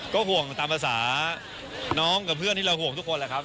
ก็ห่วงตามภาษาน้องกับเพื่อนที่เราห่วงทุกคนแหละครับ